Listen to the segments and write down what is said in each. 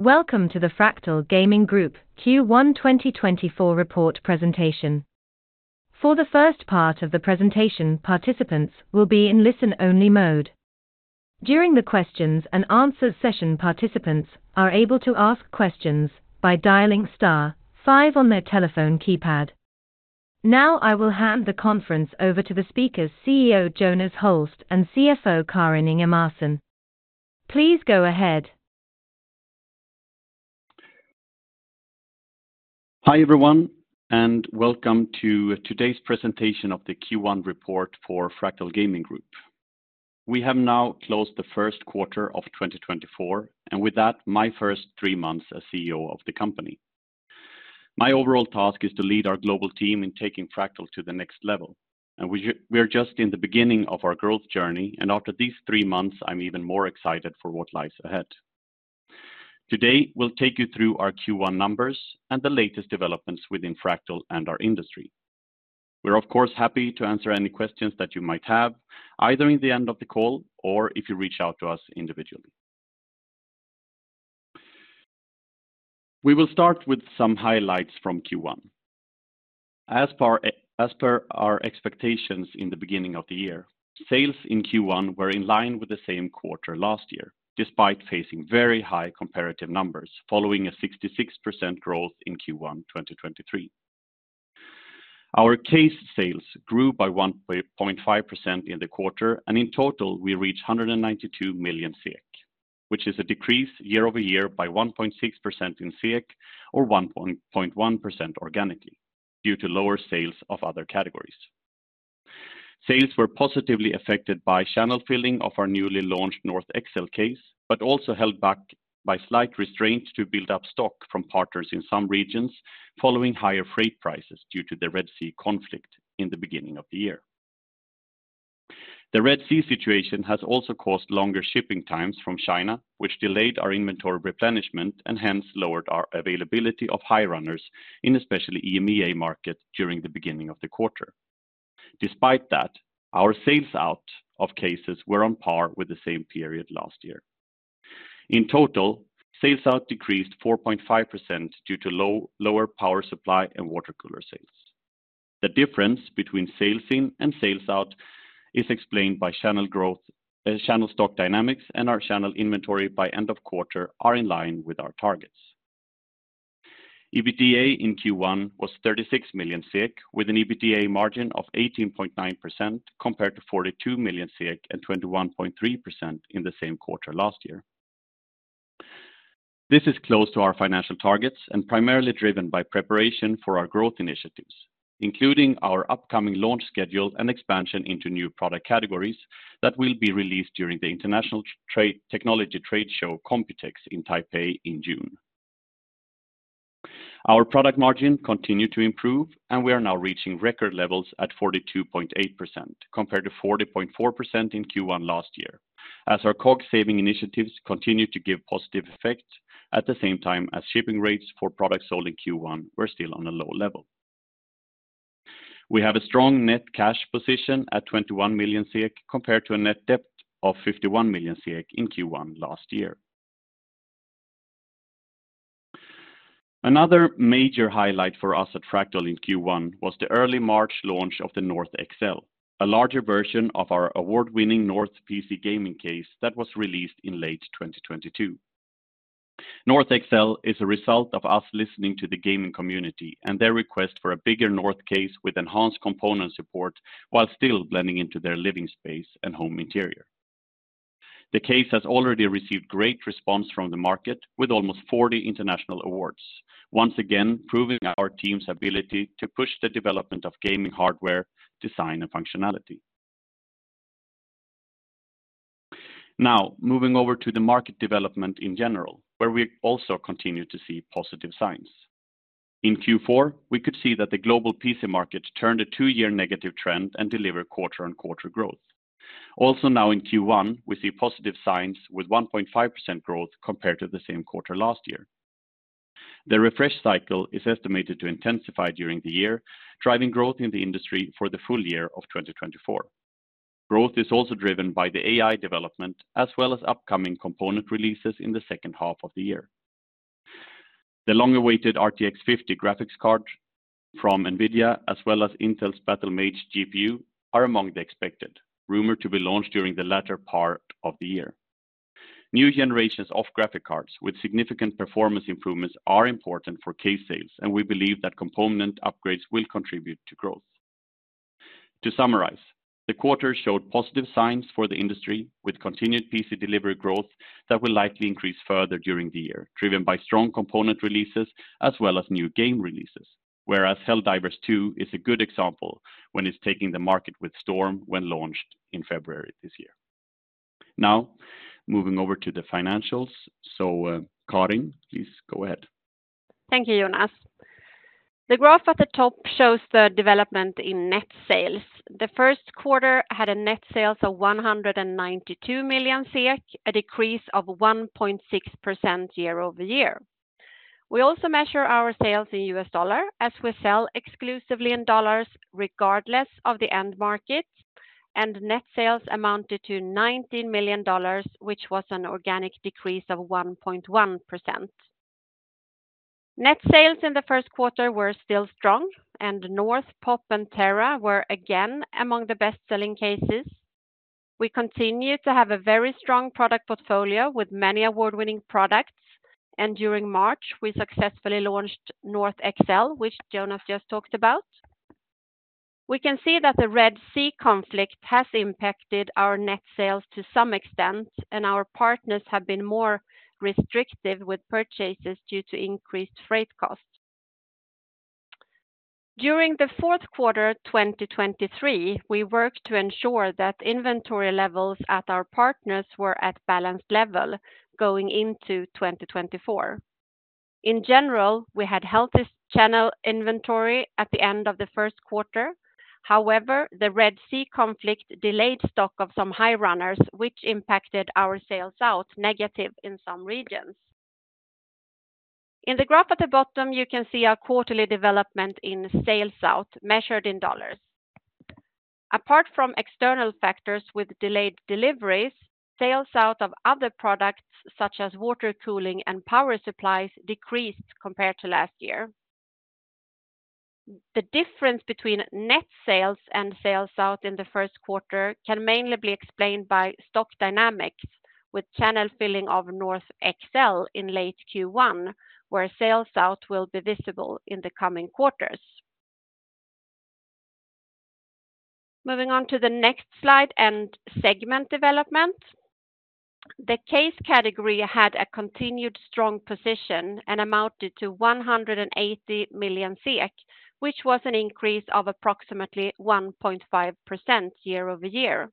Welcome to the Fractal Gaming Group Q1 2024 report presentation. For the first part of the presentation, participants will be in listen-only mode. During the questions and answers session, participants are able to ask questions by dialing star five on their telephone keypad. Now, I will hand the conference over to the speakers, CEO Jonas Holst, and CFO Karin Ingemarsson. Please go ahead. Hi, everyone, and welcome to today's presentation of the Q1 report for Fractal Gaming Group. We have now closed the first quarter of 2024, and with that, my first three months as CEO of the company. My overall task is to lead our global team in taking Fractal to the next level, and we are just in the beginning of our growth journey, and after these three months, I'm even more excited for what lies ahead. Today, we'll take you through our Q1 numbers and the latest developments within Fractal and our industry. We're, of course, happy to answer any questions that you might have, either in the end of the call or if you reach out to us individually. We will start with some highlights from Q1. As far as per our expectations in the beginning of the year, sales in Q1 were in line with the same quarter last year, despite facing very high comparative numbers, following a 66% growth in Q1 2023. Our case sales grew by 1.5% in the quarter, and in total, we reached 192 million, which is a decrease year-over-year by 1.6% in SEK or 1.1% organically due to lower sales of other categories. Sales were positively affected by channel filling of our newly launched North XL case, but also held back by slight restraint to build up stock from partners in some regions, following higher freight prices due to the Red Sea conflict in the beginning of the year. The Red Sea situation has also caused longer shipping times from China, which delayed our inventory replenishment and hence lowered our availability of high runners in especially EMEA market during the beginning of the quarter. Despite that, our sales out of cases were on par with the same period last year. In total, sales out decreased 4.5% due to lower power supply and water cooler sales. The difference between sales in and sales out is explained by channel growth, channel stock dynamics, and our channel inventory by end of quarter are in line with our targets. EBITDA in Q1 was 36 million, with an EBITDA margin of 18.9%, compared to 42 million and 21.3% in the same quarter last year. This is close to our financial targets and primarily driven by preparation for our growth initiatives, including our upcoming launch schedule and expansion into new product categories that will be released during the International Technology Trade Show, Computex, in Taipei in June. Our product margin continued to improve, and we are now reaching record levels at 42.8%, compared to 40.4% in Q1 last year. As our COGS saving initiatives continue to give positive effects, at the same time as shipping rates for products sold in Q1 were still on a low level. We have a strong net cash position at 21 million, compared to a net debt of 51 million in Q1 last year. Another major highlight for us at Fractal in Q1 was the early March launch of the North XL, a larger version of our award-winning North PC gaming case that was released in late 2022. North XL is a result of us listening to the gaming community and their request for a bigger North case with enhanced component support, while still blending into their living space and home interior. The case has already received great response from the market, with almost 40 international awards. Once again, proving our team's ability to push the development of gaming, hardware, design, and functionality. Now, moving over to the market development in general, where we also continue to see positive signs. In Q4, we could see that the global PC market turned a two-year negative trend and delivered quarter-on-quarter growth. Also now in Q1, we see positive signs with 1.5% growth compared to the same quarter last year. The refresh cycle is estimated to intensify during the year, driving growth in the industry for the full year of 2024. Growth is also driven by the AI development, as well as upcoming component releases in the second half of the year. The long-awaited RTX 50 graphics card from NVIDIA, as well as Intel's Battlemage GPU, are among the expected, rumored to be launched during the latter part of the year. New generations of graphic cards with significant performance improvements are important for case sales, and we believe that component upgrades will contribute to growth. To summarize, the quarter showed positive signs for the industry, with continued PC delivery growth that will likely increase further during the year, driven by strong component releases as well as new game releases, whereas Helldivers 2 is a good example when it's taking the market with storm when launched in February this year. Now, moving over to the financials. So, Karin, please go ahead. Thank you, Jonas. The graph at the top shows the development in net sales. The first quarter had net sales of 192 million, a decrease of 1.6% year-over-year. We also measure our sales in U.S. dollar, as we sell exclusively in dollars, regardless of the end market, and net sales amounted to $19 million, which was an organic decrease of 1.1%. Net sales in the first quarter were still strong, and North, Pop, and Terra were again among the best-selling cases. We continue to have a very strong product portfolio with many award-winning products, and during March, we successfully launched North XL, which Jonas just talked about. We can see that the Red Sea conflict has impacted our net sales to some extent, and our partners have been more restrictive with purchases due to increased freight costs. During the fourth quarter, 2023, we worked to ensure that inventory levels at our partners were at balanced level going into 2024. In general, we had healthy channel inventory at the end of the first quarter. However, the Red Sea conflict delayed stock of some high runners, which impacted our sales out negative in some regions. In the graph at the bottom, you can see our quarterly development in sales out, measured in dollars. Apart from external factors with delayed deliveries, sales out of other products, such as water cooling and power supplies, decreased compared to last year. The difference between net sales and sales out in the first quarter can mainly be explained by stock dynamics with channel filling of North XL in late Q1, where sales out will be visible in the coming quarters. Moving on to the next slide and segment development. The case category had a continued strong position and amounted to 180 million SEK, which was an increase of approximately 1.5% year-over-year.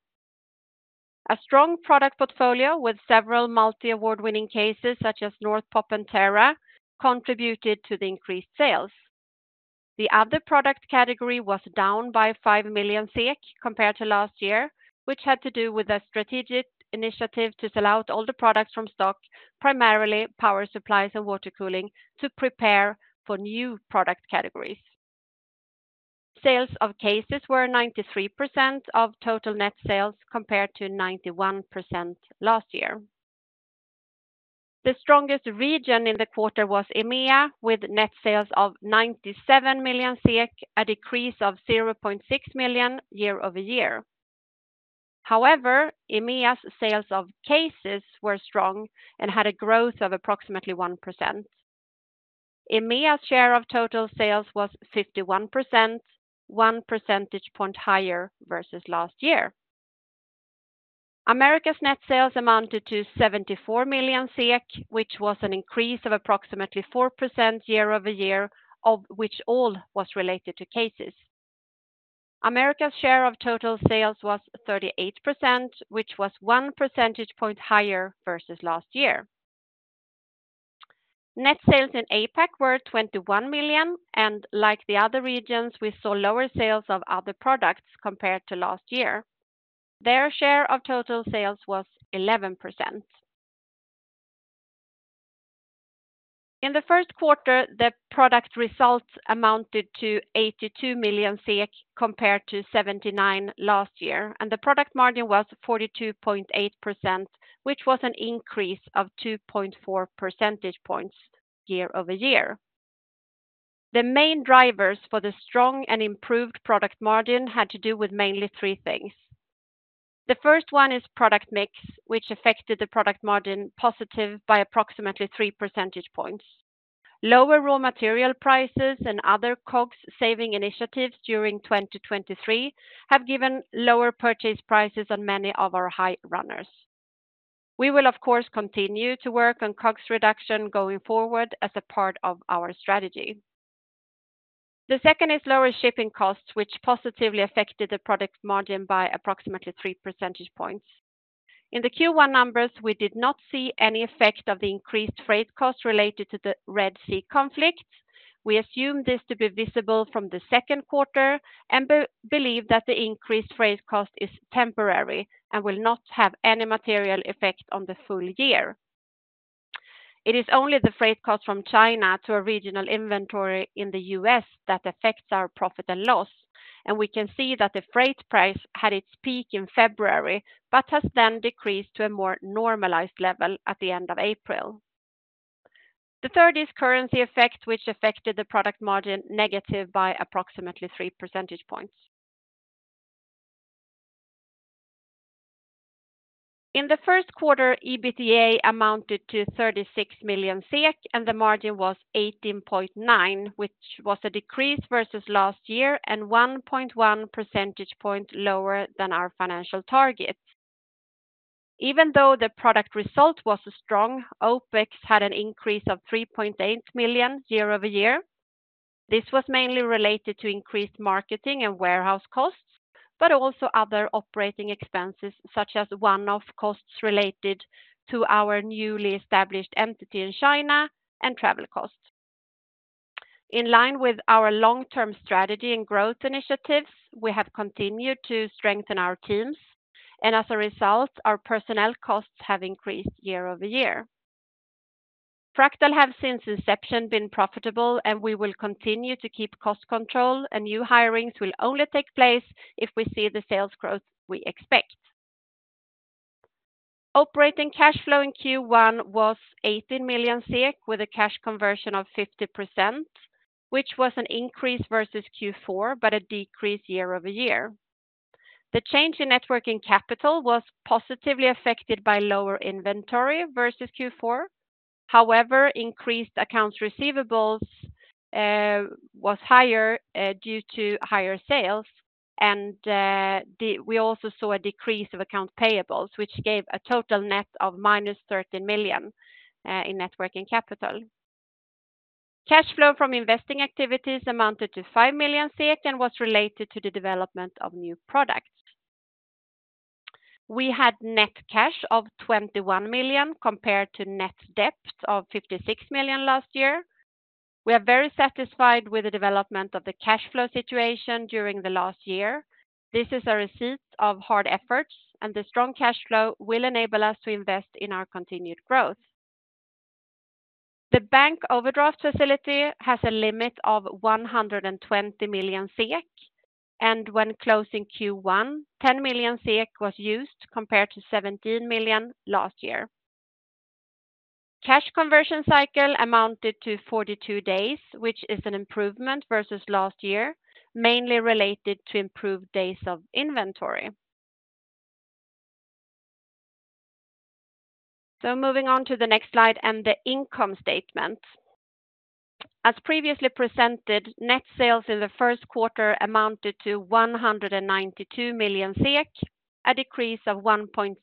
A strong product portfolio with several multi award-winning cases, such as North, Pop, and Terra, contributed to the increased sales. The other product category was down by 5 million compared to last year, which had to do with a strategic initiative to sell out all the products from stock, primarily power supplies and water cooling, to prepare for new product categories. Sales of cases were 93% of total net sales, compared to 91% last year. The strongest region in the quarter was EMEA, with net sales of 97 million, a decrease of 0.6 million year-over-year. However, EMEA's sales of cases were strong and had a growth of approximately 1%. EMEA's share of total sales was 51%, 1 percentage point higher versus last year. Americas net sales amounted to 74 million, which was an increase of approximately 4% year-over-year, of which all was related to cases. Americas share of total sales was 38%, which was 1 percentage point higher versus last year. Net sales in APAC were 21 million, and like the other regions, we saw lower sales of other products compared to last year. Their share of total sales was 11%. In the first quarter, the product results amounted to 82 million, compared to 79 million last year, and the product margin was 42.8%, which was an increase of 2.4 percentage points year-over-year. The main drivers for the strong and improved product margin had to do with mainly three things. The first one is product mix, which affected the product margin positive by approximately 3 percentage points. Lower raw material prices and other COGS saving initiatives during 2023 have given lower purchase prices on many of our high runners. We will, of course, continue to work on COGS reduction going forward as a part of our strategy. The second is lower shipping costs, which positively affected the product margin by approximately 3 percentage points. In the Q1 numbers, we did not see any effect of the increased freight cost related to the Red Sea conflict. We assume this to be visible from the second quarter and believe that the increased freight cost is temporary and will not have any material effect on the full year. It is only the freight cost from China to a regional inventory in the U.S. that affects our profit and loss, and we can see that the freight price had its peak in February, but has then decreased to a more normalized level at the end of April. The third is currency effect, which affected the product margin negative by approximately 3 percentage points. In the first quarter, EBITDA amounted to 36 million SEK, and the margin was 18.9%, which was a decrease versus last year and 1.1 percentage points lower than our financial target. Even though the product result was strong, OpEx had an increase of 3.8 million year-over-year. This was mainly related to increased marketing and warehouse costs, but also other operating expenses, such as one-off costs related to our newly established entity in China and travel costs. In line with our long-term strategy and growth initiatives, we have continued to strengthen our teams, and as a result, our personnel costs have increased year-over-year. Fractal have, since inception, been profitable, and we will continue to keep cost control, and new hirings will only take place if we see the sales growth we expect. Operating cash flow in Q1 was 18 million SEK, with a cash conversion of 50%, which was an increase versus Q4, but a decrease year-over-year. The change in working capital was positively affected by lower inventory versus Q4. However, increased accounts receivable was higher due to higher sales, and we also saw a decrease of accounts payable, which gave a total net of -13 million in working capital. Cash flow from investing activities amounted to 5 million SEK, and was related to the development of new products. We had net cash of 21 million compared to net debt of 56 million last year. We are very satisfied with the development of the cash flow situation during the last year. This is a result of hard efforts, and the strong cash flow will enable us to invest in our continued growth. The bank overdraft facility has a limit of 120 million SEK, and when closing Q1, 10 million SEK was used compared to 17 million last year. Cash conversion cycle amounted to 42 days, which is an improvement versus last year, mainly related to improved days of inventory. Moving on to the next slide and the income statement. As previously presented, net sales in the first quarter amounted to 192 million SEK, a decrease of 1.6%.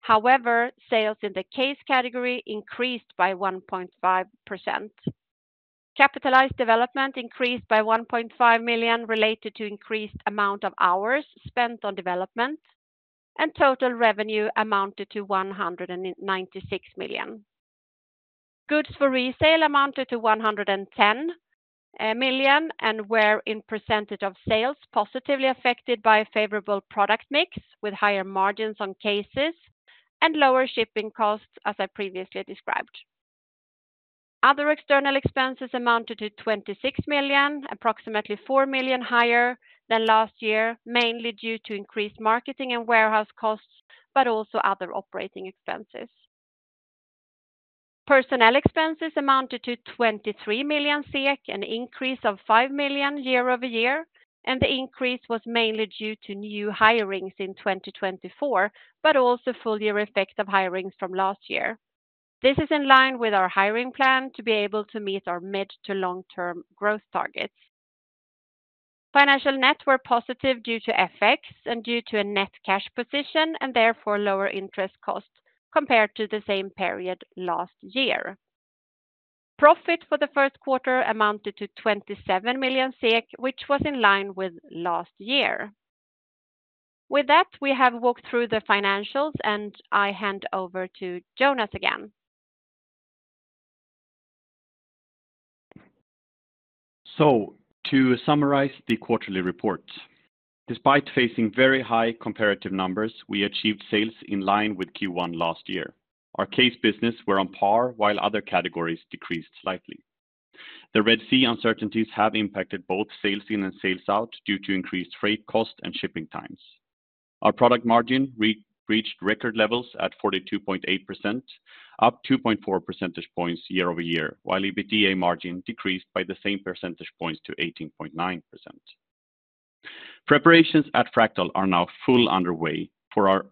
However, sales in the case category increased by 1.5%. Capitalized development increased by 1.5 million, related to increased amount of hours spent on development, and total revenue amounted to 196 million. Goods for resale amounted to 110 million, and were, in percentage of sales, positively affected by a favorable product mix, with higher margins on cases and lower shipping costs, as I previously described. Other external expenses amounted to 26 million, approximately 4 million higher than last year, mainly due to increased marketing and warehouse costs, but also other operating expenses. Personnel expenses amounted to 23 million SEK, an increase of 5 million year-over-year, and the increase was mainly due to new hirings in 2024, but also full year effect of hirings from last year. This is in line with our hiring plan to be able to meet our mid to long-term growth targets. Financial net were positive due to FX and due to a net cash position, and therefore lower interest costs compared to the same period last year. Profit for the first quarter amounted to 27 million SEK, which was in line with last year. With that, we have walked through the financials, and I hand over to Jonas again. So to summarize the quarterly report, despite facing very high comparative numbers, we achieved sales in line with Q1 last year. Our case business were on par, while other categories decreased slightly. The Red Sea uncertainties have impacted both sales in and sales out due to increased freight cost and shipping times. Our product margin re-reached record levels at 42.8%, up 2.4 percentage points year-over-year, while EBITDA margin decreased by the same percentage points to 18.9%. Preparations at Fractal are now full underway for our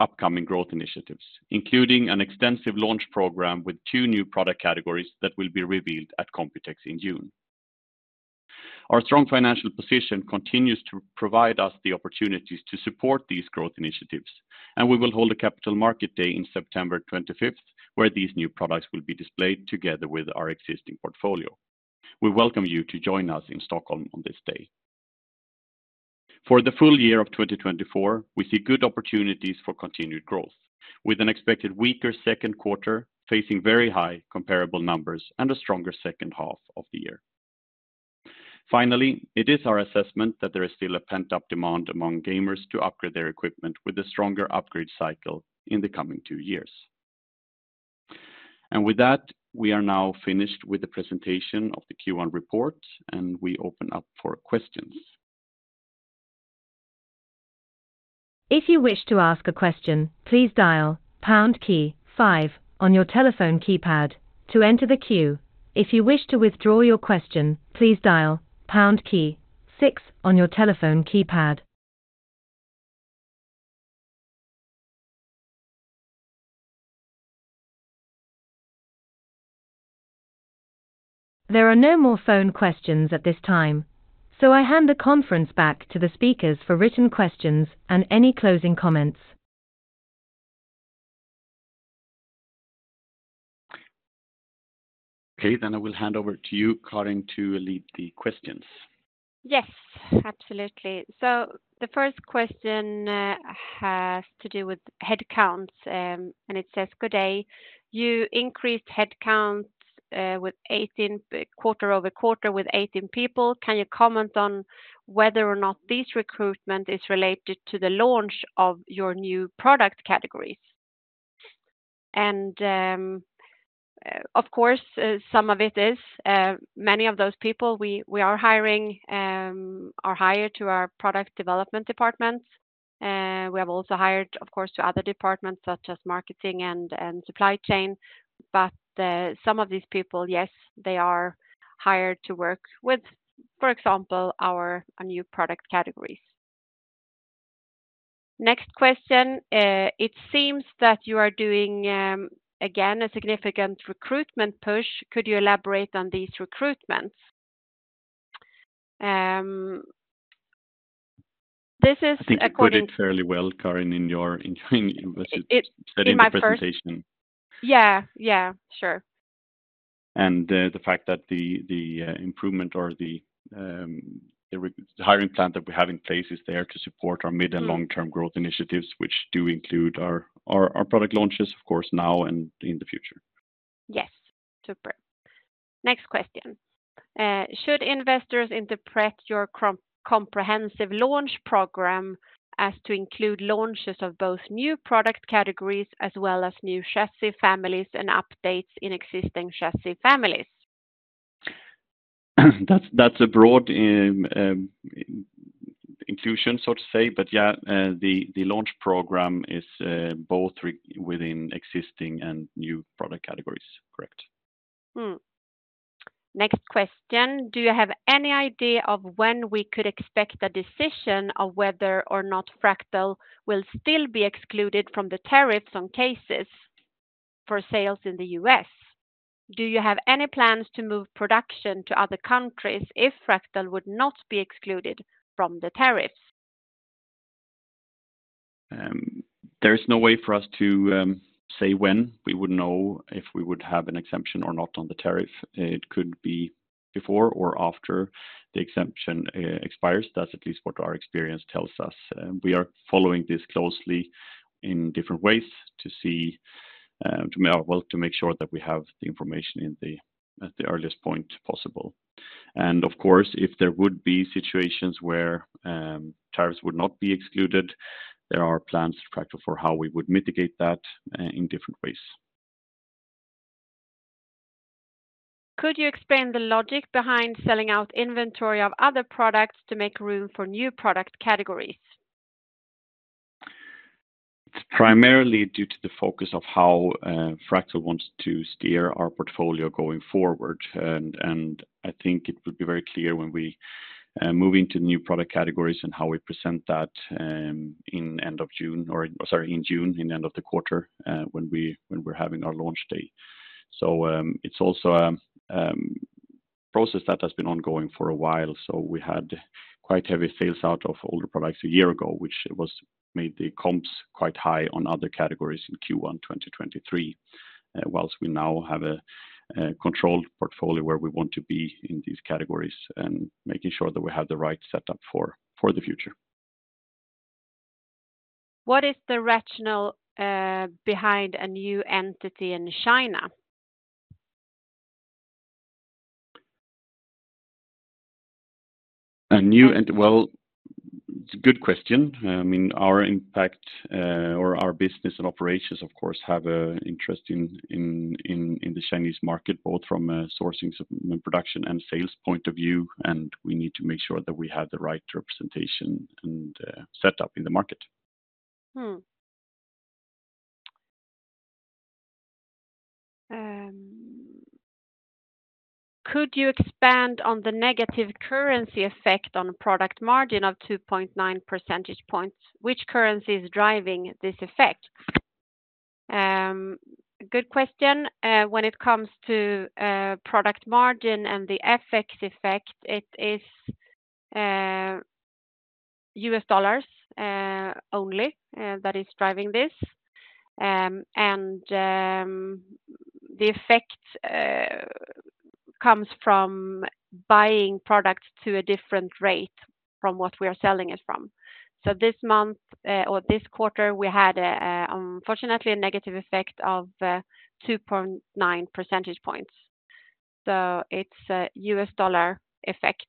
upcoming growth initiatives, including an extensive launch program with two new product categories that will be revealed at Computex in June. Our strong financial position continues to provide us the opportunities to support these growth initiatives, and we will hold a Capital Markets Day in September 25th, where these new products will be displayed together with our existing portfolio. We welcome you to join us in Stockholm on this day. For the full year of 2024, we see good opportunities for continued growth, with an expected weaker second quarter, facing very high comparable numbers and a stronger second half of the year. Finally, it is our assessment that there is still a pent-up demand among gamers to upgrade their equipment with a stronger upgrade cycle in the coming two years. And with that, we are now finished with the presentation of the Q1 report, and we open up for questions. If you wish to ask a question, please dial pound key five on your telephone keypad to enter the queue. If you wish to withdraw your question, please dial pound key six on your telephone keypad. There are no more phone questions at this time, so I hand the conference back to the speakers for written questions and any closing comments. Okay, then I will hand over to you, Karin, to lead the questions. Yes, absolutely. So the first question has to do with headcounts, and it says: Good day. You increased headcounts with 18, quarter-over-quarter with 18 people. Can you comment on whether or not this recruitment is related to the launch of your new product categories? And, of course, some of it is. Many of those people we are hiring are hired to our product development department. We have also hired, of course, to other departments, such as marketing and supply chain, but some of these people, yes, they are hired to work with, for example, our new product categories. Next question. It seems that you are doing again a significant recruitment push. Could you elaborate on these recruitments? This is according- I think you put it fairly well, Karin, in your presentation. Yeah, yeah, sure. The fact that the improvement or the hiring plan that we have in place is there to support our mid and long-term growth initiatives, which do include our product launches, of course, now and in the future. Yes. Super. Next question. Should investors interpret your comprehensive launch program as to include launches of both new product categories as well as new chassis families and updates in existing chassis families? That's, that's a broad inclusion, so to say. But, yeah, the launch program is both within existing and new product categories. Correct. Hmm. Next question. Do you have any idea of when we could expect a decision of whether or not Fractal will still be excluded from the tariffs on cases for sales in the U.S.? Do you have any plans to move production to other countries if Fractal would not be excluded from the tariffs? There's no way for us to say when we would know if we would have an exemption or not on the tariff. It could be before or after the exemption expires. That's at least what our experience tells us, and we are following this closely in different ways to see to make, well, to make sure that we have the information at the earliest point possible. And of course, if there would be situations where tariffs would not be excluded, there are plans at Fractal for how we would mitigate that in different ways. Could you explain the logic behind selling out inventory of other products to make room for new product categories? It's primarily due to the focus of how Fractal wants to steer our portfolio going forward. And I think it will be very clear when we move into new product categories and how we present that in end of June or, sorry, in June, in end of the quarter, when we're having our launch day. So it's also a process that has been ongoing for a while. So we had quite heavy sales out of older products a year ago, which was made the comps quite high on other categories in Q1 2023. Whilst we now have a controlled portfolio where we want to be in these categories and making sure that we have the right setup for the future. What is the rationale behind a new entity in China? Well, it's a good question. I mean, our impact or our business and operations, of course, have an interest in the Chinese market, both from a sourcing, production, and sales point of view, and we need to make sure that we have the right representation and set up in the market. Hmm. Could you expand on the negative currency effect on product margin of 2.9 percentage points? Which currency is driving this effect? Good question. When it comes to product margin and the FX effect, it is U.S. dollars only that is driving this. The effect comes from buying products to a different rate from what we are selling it from. So this month or this quarter, we had unfortunately a negative effect of 2.9 percentage points. So it's a U.S. dollar effect.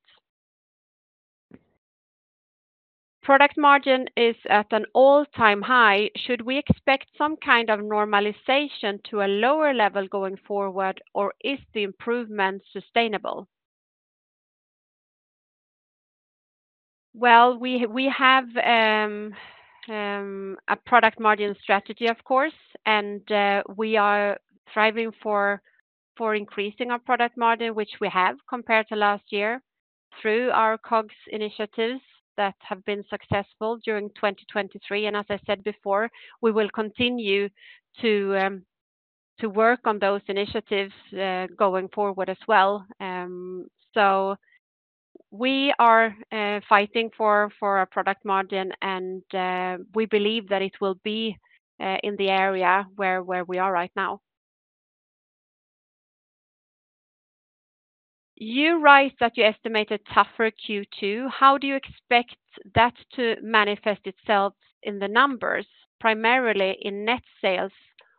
Product margin is at an all-time high. Should we expect some kind of normalization to a lower level going forward, or is the improvement sustainable? Well, we have a product margin strategy, of course, and we are striving for increasing our product margin, which we have compared to last year, through our COGS initiatives that have been successful during 2023. And as I said before, we will continue to work on those initiatives going forward as well. So we are fighting for a product margin, and we believe that it will be in the area where we are right now. You write that you estimated tougher Q2. How do you expect that to manifest itself in the numbers, primarily in net sales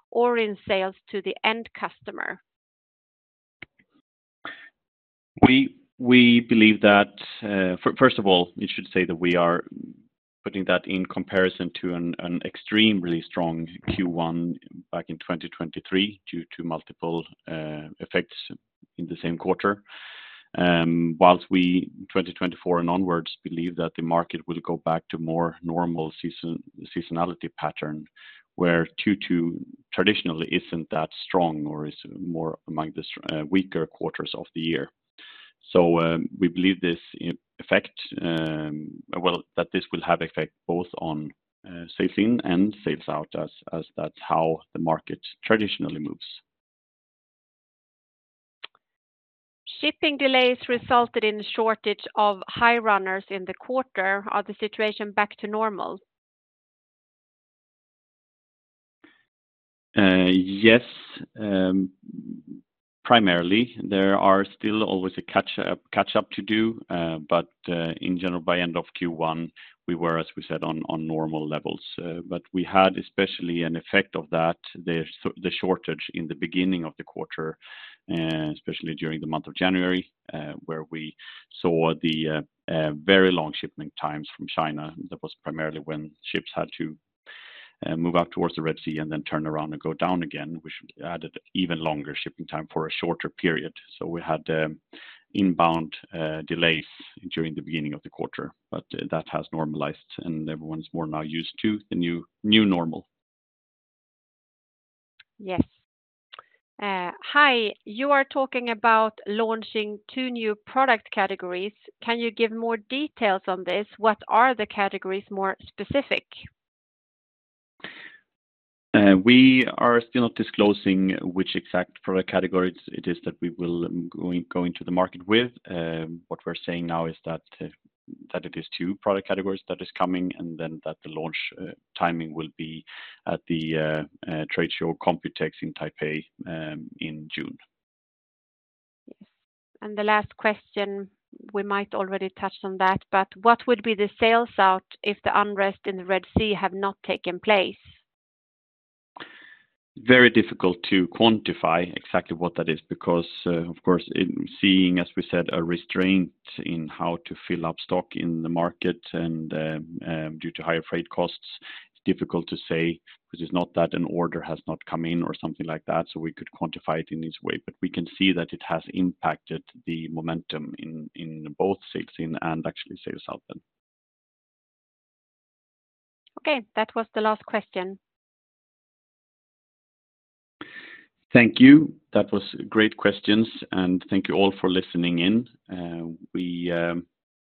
or in sales to the end customer? We believe that, first of all, we should say that we are putting that in comparison to an extremely strong Q1 back in 2023 due to multiple effects in the same quarter. Whilst we, 2024 and onwards, believe that the market will go back to more normal seasonality pattern, where Q2 traditionally isn't that strong or is more among the weaker quarters of the year. So, we believe this effect, well, that this will have effect both on sales in and sales out, as that's how the market traditionally moves. Shipping delays resulted in a shortage of high runners in the quarter. Is the situation back to normal? Yes, primarily, there are still always a catch up to do, but in general, by end of Q1, we were, as we said, on normal levels. But we had especially an effect of that, the shortage in the beginning of the quarter, especially during the month of January, where we saw the very long shipping times from China. That was primarily when ships had to move out towards the Red Sea and then turn around and go down again, which added even longer shipping time for a shorter period. So we had inbound delays during the beginning of the quarter, but that has normalized, and everyone's more now used to the new normal. Yes. Hi, you are talking about launching two new product categories. Can you give more details on this? What are the categories, more specific? We are still not disclosing which exact product categories it is that we will go into the market with. What we're saying now is that that it is two product categories that is coming, and then that the launch timing will be at the trade show, Computex in Taipei, in June. Yes. The last question, we might already have touched on that, but what would be the sales out if the unrest in the Red Sea have not taken place? Very difficult to quantify exactly what that is, because, of course, in seeing, as we said, a restraint in how to fill up stock in the market and, due to higher freight costs, it's difficult to say. Because it's not that an order has not come in or something like that, so we could quantify it in this way, but we can see that it has impacted the momentum in both sales in and actually sales out then. Okay, that was the last question. Thank you. That was great questions, and thank you all for listening in. We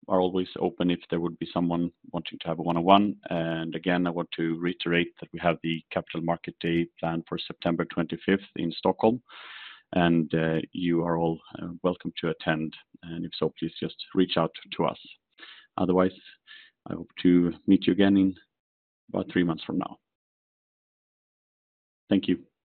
are always open if there would be someone wanting to have a one-on-one. And again, I want to reiterate that we have the Capital Markets Day planned for September 25th in Stockholm, and you are all welcome to attend, and if so, please just reach out to us. Otherwise, I hope to meet you again in about three months from now. Thank you.